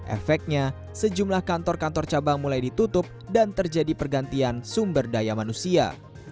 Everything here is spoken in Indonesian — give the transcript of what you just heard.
efeknya sejumlah kantor kantor cabang mulai ditutup dan terjadi pergantian sumber daya manusia